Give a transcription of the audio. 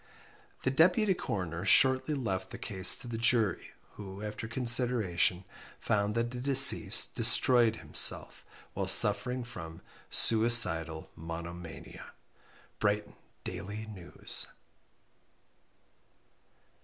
The Deputy Coroner shortly left the case to the jury, who, after consideration, found that the deceased destroyed himself while suffering from "suicidal monomania." _Brighton Daily News.